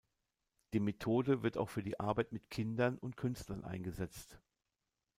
Die Methode wird auch für die Arbeit mit Kindern und Künstlern eingesetzt.